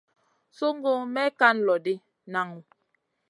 Sungu may kan loʼ ɗi, naŋu.